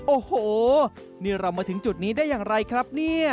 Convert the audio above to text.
โอ้โหนี่เรามาถึงจุดนี้ได้อย่างไรครับเนี่ย